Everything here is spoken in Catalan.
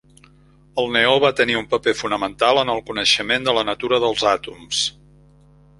El neó va tenir un paper fonamental en el coneixement de la natura dels àtoms.